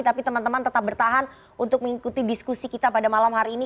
tapi teman teman tetap bertahan untuk mengikuti diskusi kita pada malam hari ini